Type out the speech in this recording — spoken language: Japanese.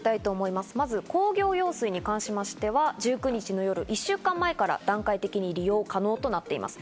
まず工業用水に関しましては１９日の夜、１週間前から段階的に利用可能となっています。